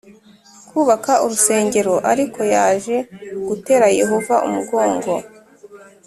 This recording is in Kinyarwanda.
kubaka urusengero ariko yaje gutera Yehova umugongo